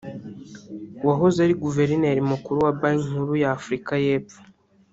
wahoze ari Guverineri Mukuru wa Banki Nkuru ya Afurika y’Epfo